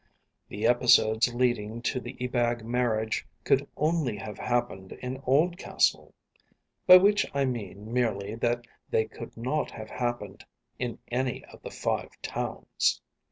The episodes leading to the Ebag marriage could only have happened in Oldcastle. By which I mean merely that they could not have happened in any of the Five Towns.